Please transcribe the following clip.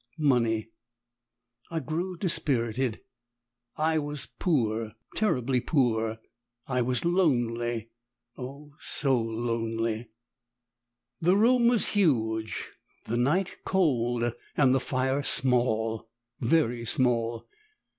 Money! I grew dispirited! I was poor! terribly poor! I was lonely! Oh, so lonely! The room was huge, the night cold and the fire SMALL very small.